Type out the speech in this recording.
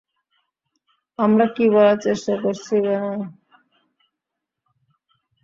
আমরা কী বলার চেষ্টা করছি, কেইন?